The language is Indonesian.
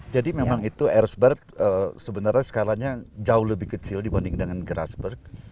jadi memang itu erzberg sebenarnya skalanya jauh lebih kecil dibanding dengan grasberg